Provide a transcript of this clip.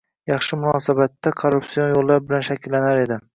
«Yaxshi munosabat» esa korrupsion yo‘llar bilan shakllanar edi.